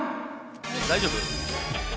大丈夫？